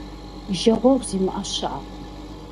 Жагъуэгъу зимыӏэ щыӏэкъым.